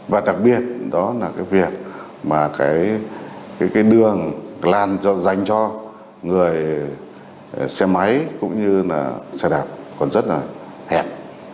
và đặc biệt đó là cái việc mà cái đường lan dành cho người xe máy cũng như là xe đạp còn rất là hẹp